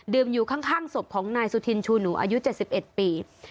อยู่ข้างศพของนายสุธินชูหนูอายุ๗๑ปี